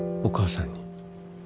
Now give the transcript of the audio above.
お母さんに。